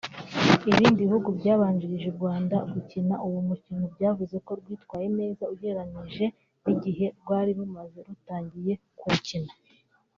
Ibindi bihugu byabanjirije u Rwanda gukina uno mukino byavuzeko rwitwaye neza ugereranyije n’igihe rwari rumaze rutangiye kuwukina